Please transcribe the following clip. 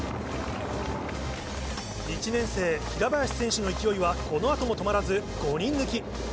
１年生、平林選手の勢いはこのあとも止まらず、５人抜き。